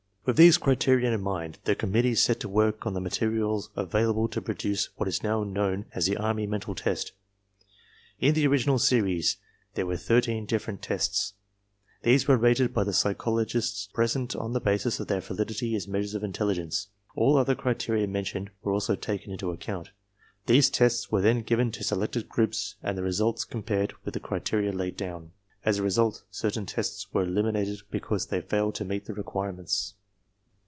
With these criteria in mind the committee set to work on thte materials available to produce what is now known as the army mental test. In the original series there were thirteen different^ tests. These were rated by the psychologists present on the basis of their validity as measures of intelligence. All other* criteria mentioned were also taken into account. These tests were then given to selected groups and the results compared with the criteria laid down. As a result certain tests were elim inated because they failed to meet the requirements.